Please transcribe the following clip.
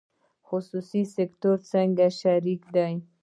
خصوصي سکتور څنګه شریک دی؟